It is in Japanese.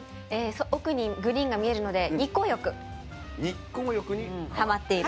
奥にグリーンが見えるので日光浴にハマっている！